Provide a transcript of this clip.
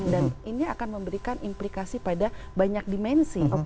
dan ini akan memberikan implikasi pada banyak dimensi